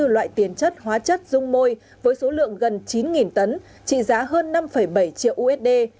bốn mươi loại tiền chất hóa chất dung môi với số lượng gần chín tấn trị giá hơn năm bảy triệu usd